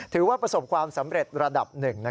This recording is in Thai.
ถือว่าประสบความสำเร็จระดับหนึ่ง